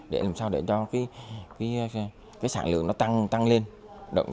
để làm sao để cho cái sản lượng nó tăng tăng lên